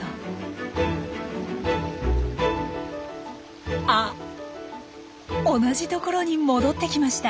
同じ所に戻ってきました。